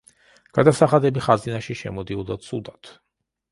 გადასახადები ხაზინაში შემოდიოდა ცუდად.